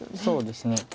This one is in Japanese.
そうですね。